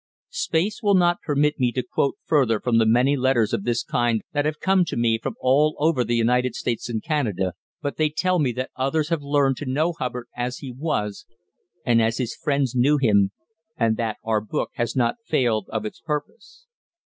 Space will not permit me to quote further from the many letters of this kind that have come to me from all over the United States and Canada, but they tell me that others have learned to know Hubbard as he was and as his friends knew him, and that our book has not failed of its purpose.